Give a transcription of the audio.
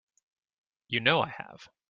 You know I have.